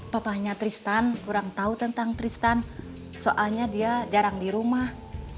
papahnya tristan kurang tahu tentang tristan soalnya dia jarang di rumah